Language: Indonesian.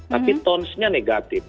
tapi tonesnya negatif